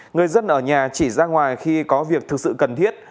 người dân ở nhà chỉ ra ngoài khi có việc thực sự cần thiết